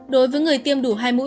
đối với người tiêm đủ hai mũi